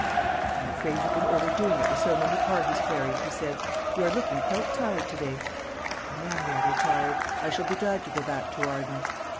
"I'm afraid you've been overdoing it with so many parties, Clary," he said; "you are looking quite tired to day." "I am rather tired. I shall be glad to go back to Arden."